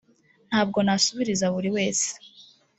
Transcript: Ntabwo nasubiriza buri wese